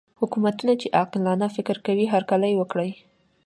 حکومتونه چې عاقلانه فکر کوي هرکلی وکړي.